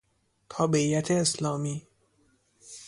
تابعیت اسلامی